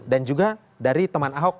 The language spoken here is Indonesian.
dan juga dari teman ahok